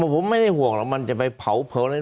ผมไม่ได้ห่วงว่ามันจะไปเผาอะไร